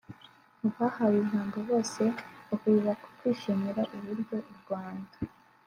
Mu bahawe ijambo bose bahurira ku kwishimira uburyo u Rwanda